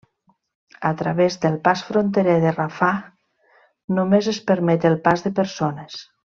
A través del pas fronterer de Rafah només es permet el pas de persones.